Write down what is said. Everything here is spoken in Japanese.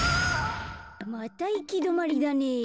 またいきどまりだねえ。